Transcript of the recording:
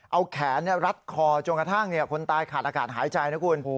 เอาแขนรัดคอจนกระทั่งคนตายขาดอากาศหายใจนะคุณ